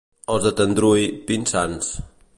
Els de Tendrui, pinsans.